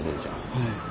はい。